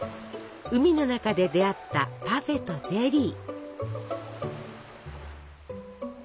海の中で出会ったパフェとゼリー！